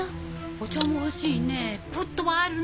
お茶も欲しいねぇポットはあるの？